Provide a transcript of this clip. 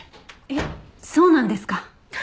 えっそうなんですか？